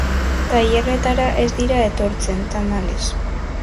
Tailerretara ez dira etortzen, tamalez.